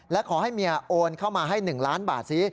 และขอให้เมียโอนเข้ามาให้๑ล้านบาทซิ